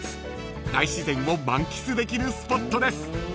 ［大自然を満喫できるスポットです］